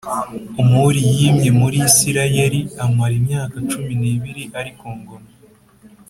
Omuri yimye muri Isirayeli amara imyaka cumi n’ibiri ari ku ngoma